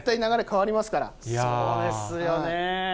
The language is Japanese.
そうですよね。